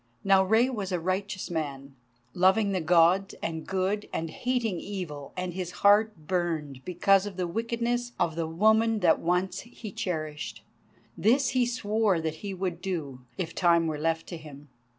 Now Rei was a righteous man, loving the Gods and good, and hating evil, and his heart burned because of the wickedness of the woman that once he cherished. This he swore that he would do, if time were left to him.